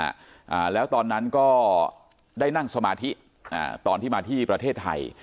อ่าแล้วตอนนั้นก็ได้นั่งสมาธิอ่าตอนที่มาที่ประเทศไทย